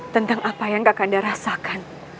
tentang apa yang kak kandah rasakan